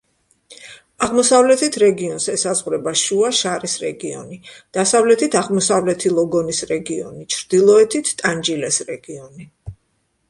აღმოსავლეთით რეგიონს ესაზღვრება შუა შარის რეგიონი, დასავლეთით აღმოსავლეთი ლოგონის რეგიონი, ჩრდილოეთით ტანჯილეს რეგიონი.